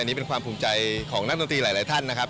นี่เป็นความภูมิใจของนักดนตรีหลายท่านนะครับ